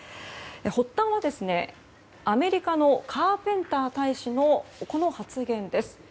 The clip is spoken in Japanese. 発端はアメリカのカーペンター大使のこの発言です。